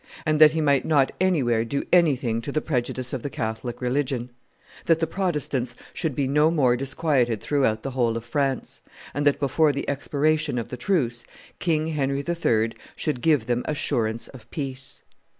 and that he might not anywhere do anything to the prejudice of the Catholic religion; that the Protestants should be no more disquieted throughout the whole of France, and that, before the expiration of the truce, King Henry III. should give them assurance of peace.